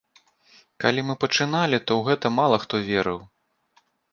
Калі мы пачыналі, то ў гэта мала хто верыў.